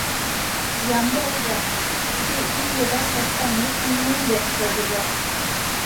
Ямдылыза, шке ий еда саска нӧшмым уэмден шогыза.